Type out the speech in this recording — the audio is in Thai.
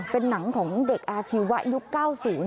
เป็นหนังของเด็กอาชีวะยุคเก้าศูนย์